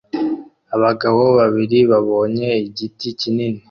Abagabo babiri babonye igiti kinini